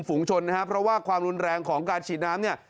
ฝูงชนเพราะว่าความรุนแรงของการฉีดน้ำ